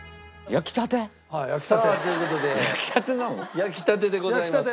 焼きたてでございます。